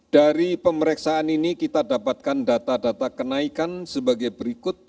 dari pemeriksaan ini kita dapatkan data data kenaikan sebagai berikut